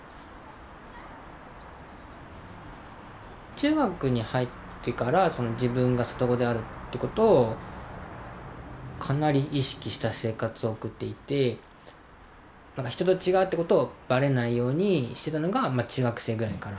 中学に入ってから自分が里子であるってことをかなり意識した生活を送っていて人と違うってことをばれないようにしてたのが中学生ぐらいから。